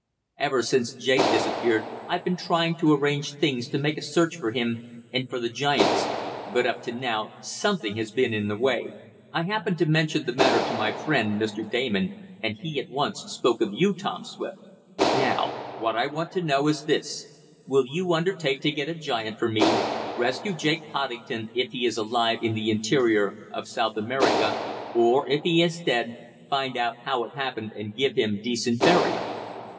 "Ever since Jake disappeared I've been trying to arrange things to make a search for him, and for the giants, but up to now something has been in the way. I happened to mention the matter to my friend, Mr. Damon, and he at once spoke of you, Tom Swift." "Now, what I want to know is this: Will you undertake to get a giant for me, rescue Jake Poddington if he is alive in the interior of South America, or, if he is dead, find out how it happened and give him decent burial?